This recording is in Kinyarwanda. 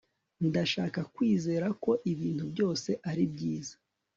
ndashaka kwizera ko ibintu byose ari byiza